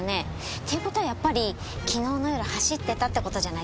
っていう事はやっぱり昨日の夜走ってたって事じゃないですか？